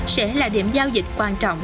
sẽ là điểm giao dịch quan trọng